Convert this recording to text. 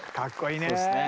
そうですね。